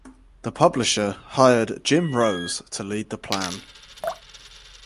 The publisher hired Jim Rose to lead the plan.